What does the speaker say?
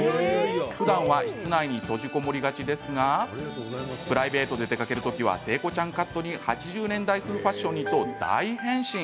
ふだんは室内に閉じこもりがちですがプライベートで出かけるときは聖子ちゃんカットに８０年代風ファッションにと大変身。